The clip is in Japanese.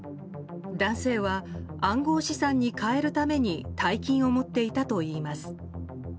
男性は暗号資産に換えるために大金を持っていたといいます。